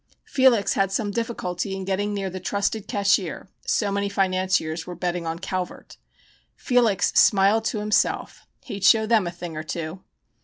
Felix had some difficulty in getting near the "trusted cashier" so many financiers were betting on Calvert. Felix smiled to himself. He'd show them a thing or two.